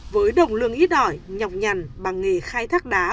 với đồng lương ít ỏi nhọc nhằn bằng nghề khai thác đá ở mọ đá phước thuận